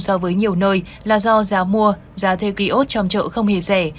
so với nhiều nơi là do giá mua giá thuê ký ốt trong chợ không hề rẻ